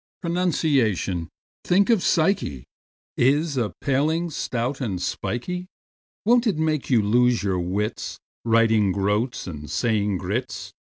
Pronunciation—think of psyche!— Is a paling, stout and spikey; Won't it make you lose your wits, Writing "groats" and saying groats?